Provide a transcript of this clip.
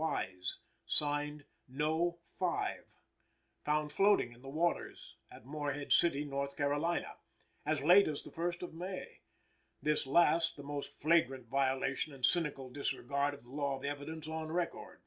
Wise, signed "No Five," found floating in the water at Morehead City, North Carolina, as late as the first of May; this last, the most flagrant violation and cynical disregard of the law of evidence on record.